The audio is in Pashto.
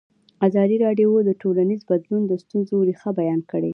ازادي راډیو د ټولنیز بدلون د ستونزو رېښه بیان کړې.